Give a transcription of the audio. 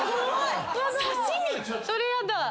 それやだ。